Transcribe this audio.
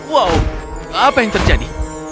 wow apa yang terjadi